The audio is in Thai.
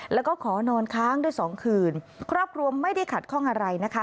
แล้วก็ขอนอนค้างด้วยสองคืนครอบครัวไม่ได้ขัดข้องอะไรนะคะ